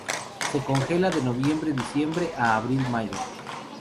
Se congela de noviembre-diciembre a abril-mayo.